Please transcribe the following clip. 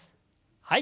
はい。